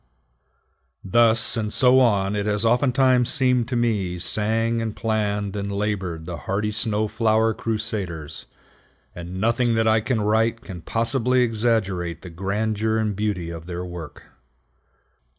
Thus and so on it has oftentimes seemed to me sang and planned and labored the hearty snow flower crusaders; and nothing that I can write can possibly exaggerate the grandeur and beauty of their work.